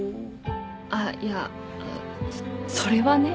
あっいやそれはね。